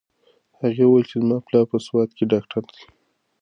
هغې وویل چې زما پلار په سوات کې ډاکټر دی.